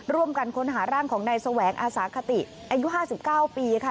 ร่วมกันค้นหาร่างของนายแสวงอาสาคติอายุ๕๙ปีค่ะ